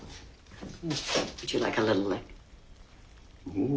うん？